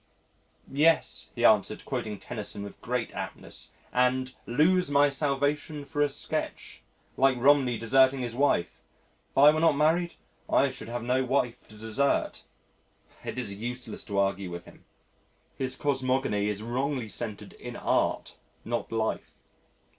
"Yes," he answered, quoting Tennyson with great aptness, "and 'lose my salvation for a sketch,' like Romney deserting his wife. If I were not married I should have no wife to desert." It is useless to argue with him. His cosmogony is wrongly centred in Art not life.